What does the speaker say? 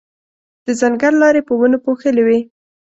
د ځنګل لارې په ونو پوښلې وې.